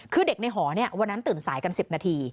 คือเด็กในหอวันนั้นตื่นสายกัน๑๐นาที